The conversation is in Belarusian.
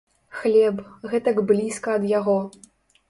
Хлеб, гэтак блізка ад яго!